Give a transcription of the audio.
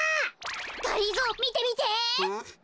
がりぞーみてみて！